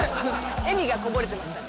笑みがこぼれてました。